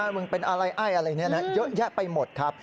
วงเป็นอะไรอ้ายอะไรนี้นะเยอะแยะไปหมดครับ